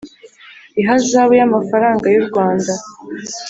ihazabu y amafaranga y u Rwanda